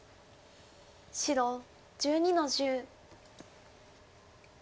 白１２の十。